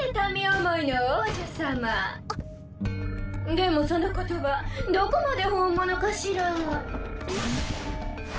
でもその言葉どこまで本物かしら？